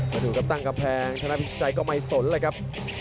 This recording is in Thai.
มาดูกับตั้งกระแพงทางน้าพิชชัยก็ไม่สนเลยครับ